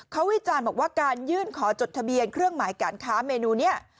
เขาวิจารณ์บอกว่าการยื่นขอจดทะเบียนเครื่องหมายการค้าเมนูนี้